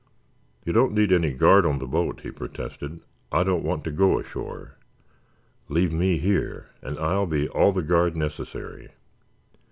"You don't need any guard on the boat," he protested. "I don't want to go ashore. Leave me here and I'll be all the guard necessary."